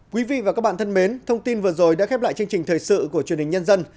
quý vị và các bạn thân mến thông tin vừa rồi đã khép lại chương trình thời sự của truyền hình nhân dân